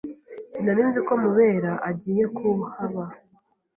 Sinari nzi ko Mubera agiye kuhaba.